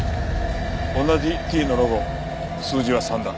同じＴのロゴ数字は３だ。